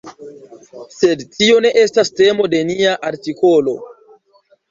Sed tio ne estas temo de nia artikolo.